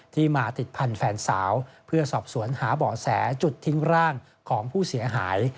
มาติดพันธุ์แฟนสาวเพื่อสอบสวนหาเบาะแสจุดทิ้งร่างของผู้เสียหาย